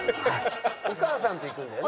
お母さんと行くんだよね？